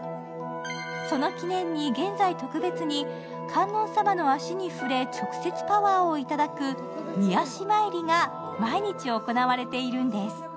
その記念に現在特別に観音様の足に触れ、直接パワーをいただく御足参りが毎日行われているんです。